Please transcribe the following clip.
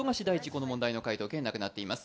この問題の解答権なくなっています。